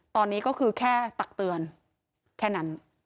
ตอนนี้ก็คือแค่ตักเตือนแค่นั้น